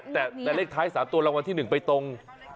แต่แต่แต่เลขท้ายสามตัวรางวัลที่หนึ่งไปตรง